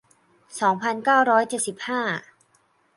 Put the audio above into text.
สองพันเก้าร้อยเจ็ดสิบห้า